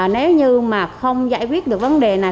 nếu như mà không giải quyết được vấn đề này